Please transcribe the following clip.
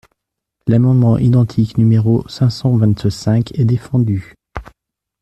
L’amendement identique numéro cinq cent vingt-cinq est défendu.